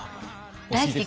大好き。